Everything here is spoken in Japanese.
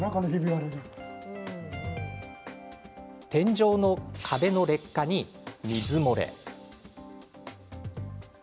天井の壁の劣化に水漏れ。